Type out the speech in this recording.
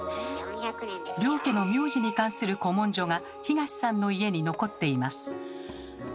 両家の名字に関する古文書が東さんの家に残っています。